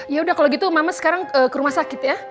ya udah kalau gitu mama sekarang ke rumah sakit ya